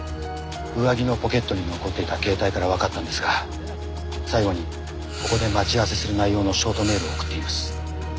上着のポケットに残っていた携帯からわかったんですが最後にここで待ち合わせする内容のショートメールを送っています。